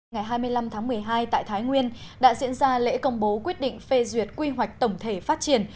ngày hai mươi năm tháng một mươi hai tại thái nguyên đã diễn ra lễ công bố quyết định phê duyệt quy hoạch tổng thể phát triển